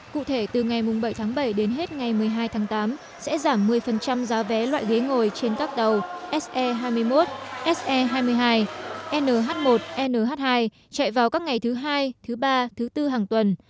cụ thể từ ngày bảy tháng bảy đến hết ngày một mươi hai tháng tám sẽ giảm một mươi giá vé loại ghế ngồi trên các tàu se hai mươi một se hai mươi hai nh một nh hai chạy vào các ngày thứ hai thứ ba thứ bốn hàng tuần